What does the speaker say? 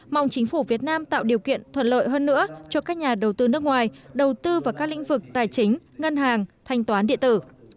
mong chính phủ việt nam tạo điều kiện thuận lợi hơn nữa cho các nhà đầu tư nước ngoài đầu tư vào các lĩnh vực tài chính ngân hàng thanh toán địa tử